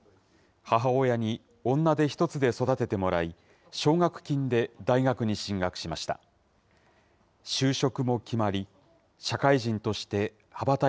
母親に女手一つで育ててもらい、奨学金で大学に進学しました。